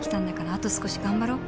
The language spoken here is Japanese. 「あと少し頑張ろう」